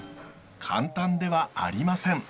簡単ではありません。